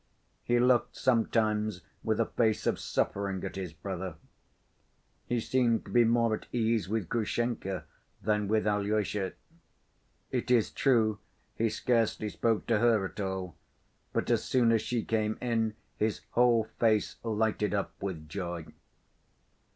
He looked sometimes with a face of suffering at his brother. He seemed to be more at ease with Grushenka than with Alyosha. It is true, he scarcely spoke to her at all, but as soon as she came in, his whole face lighted up with joy.